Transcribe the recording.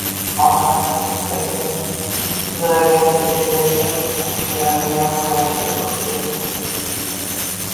Orqasidan shippagini sudragancha kelayotgan Buvsaraning yaqinlashishini kutdi